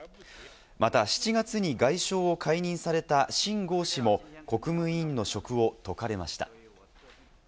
また７月に外相を解任されたシン・ゴウ氏も国務委員の職を解かれました。